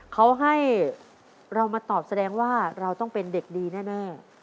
เขาให้เรามาตอบแสดงว่าเราต้องเป็นเด็กดีแน่